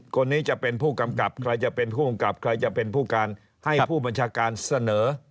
คนนี้จะเป็นผู้กำกับใครจะเป็นผู้กำกับใครจะเป็นผู้การให้ผู้บัญชาการเสนอ